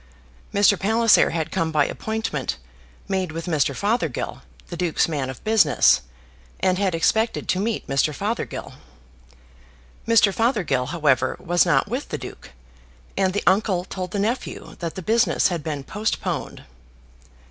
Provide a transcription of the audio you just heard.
Mr. Palliser had come by appointment made with Mr. Fothergill, the Duke's man of business, and had expected to meet Mr. Fothergill. Mr. Fothergill, however, was not with the Duke, and the uncle told the nephew that the business had been postponed.